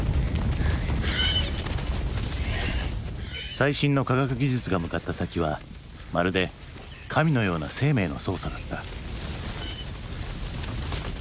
最新の科学技術が向かった先はまるで神のような生命の操作だった。